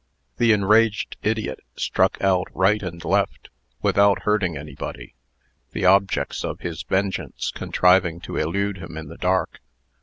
The enraged idiot struck out right and left, without hurting anybody the objects of his vengeance contriving to elude him in the dark.